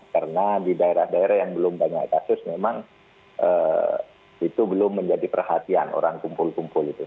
karena di daerah daerah yang belum banyak kasus memang itu belum menjadi perhatian orang kumpul kumpul itu